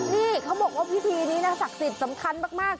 นี่เขาบอกว่าพิธีนี้นะศักดิ์สิทธิ์สำคัญมาก